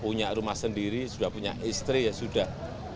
punya rumah sendiri sudah punya istri ya sudah